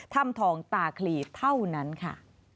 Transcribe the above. ถ้ำทองตาคลีเท่านั้นค่ะ